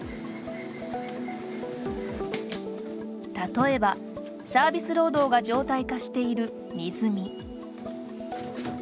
例えばサービス労働が常態化している荷積み。